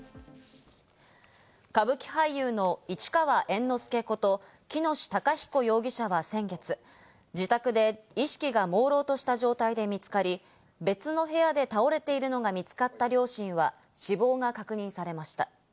歌舞伎俳優の市川猿之助こと喜熨斗孝彦容疑者は先月、自宅で意識がもうろうとした状態で見つかり、別の部屋で倒れているのが見つかった両親は死亡が確認されました。